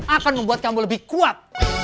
akan membuat kamu lebih kuat